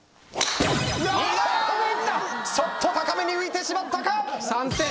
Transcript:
ちょっと高めに浮いてしまったか！